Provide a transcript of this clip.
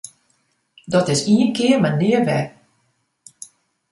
Dat is ien kear mar nea wer!